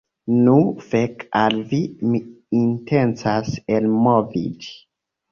Nu, fek al vi, mi intencas elmoviĝi.